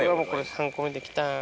３個目できた。